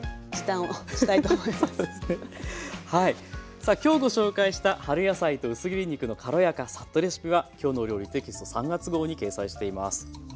さあ今日ご紹介した春野菜と薄切り肉の軽やかサッとレシピは「きょうの料理」テキスト３月号に掲載しています。